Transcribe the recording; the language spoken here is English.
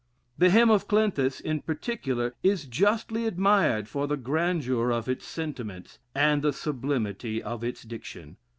The hymn of Cleanthes, in particular, is justly admired for the grandeur of its sentiments, and the sublimity of its diction.